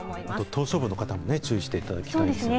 島しょ部の方も注意していただきたいですね。